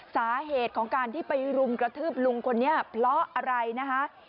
สาเหตุของการที่ไปรุมกระทืบลุงคนนี้เพราะอะไรนะคะ